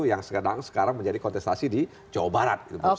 yang sekarang menjadi kontestasi di jawa barat